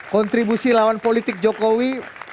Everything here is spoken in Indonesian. kontribusi lawan politik jokowi